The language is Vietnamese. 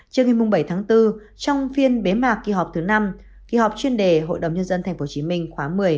chiều ngày bảy tháng bốn trong phiên bế mạc kỳ họp thứ năm kỳ họp chuyên đề hội đồng nhân dân tp hcm khóa một mươi